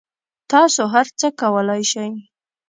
تاسو هر څه کولای شئ